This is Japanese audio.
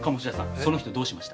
その人どうしました？